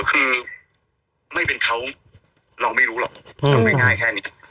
คือไม่เป็นเขาเราไม่รู้หรอกทำง่ายแค่นี้